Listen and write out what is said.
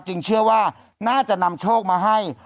เชื่อว่าน่าจะนำโชคมาให้